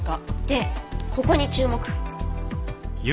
でここに注目。